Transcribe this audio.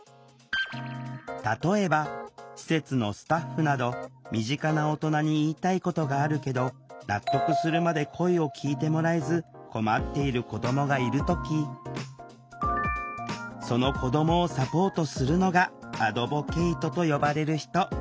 例えば施設のスタッフなど身近な大人に言いたいことがあるけど納得するまで声を聴いてもらえず困っている子どもがいる時その子どもをサポートするのがアドボケイトと呼ばれる人。